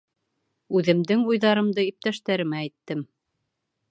Үҙемдең уйҙарымды иптәштәремә әйттем.